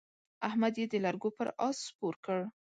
احمد يې د لرګو پر اس سپور کړ.